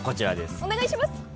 お願いします。